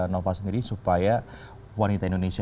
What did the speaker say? nova sendiri supaya wanita indonesia